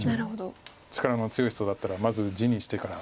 力の強い人だったらまず地にしてから。